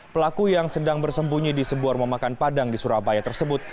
pelaku yang sedang bersembunyi di sebuah rumah makan padang di surabaya tersebut